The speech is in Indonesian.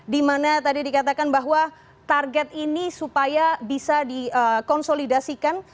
dimana tadi dikatakan bahwa target ini supaya bisa dikonsolidasikan